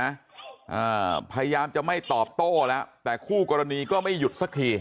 อ่าพยายามจะไม่ตอบโต้แล้วแต่คู่กรณีก็ไม่หยุดสักที